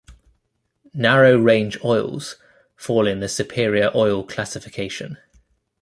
Narrow-range oils fall in the superior oil classification.